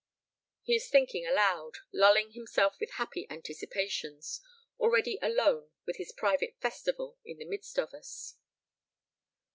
He is thinking aloud, lulling himself with happy anticipations, already alone with his private festival in the midst of us.